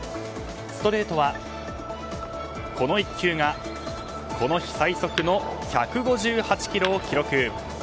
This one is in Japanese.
ストレートはこの１球がこの日最速の１５８キロを記録。